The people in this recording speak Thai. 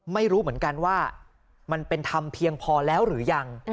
ไม่รู้เหมือนกันว่ามันเป็นธรรมเพียงพอแล้วหรือยัง